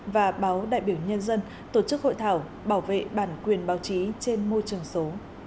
và báo đại biểu nhân dân tổ chức hội thảo bảo vệ bản quyền báo chí trên môi trường số